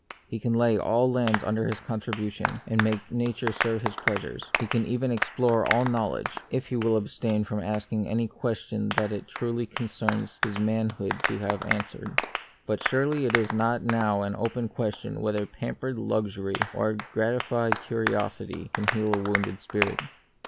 He can lay all lands under con tribution, and make Nature serve his pleasures ; he can even explore all knowledge — if he will abstain from asking any question that it truly concerns his manhood to have answered. But surely it is not now an open question whether pampered luxury or gratified curiosity can heal a wounded spirit.